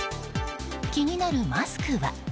気になるマスクは？